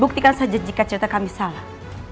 buktikan saja jika cerita kami salah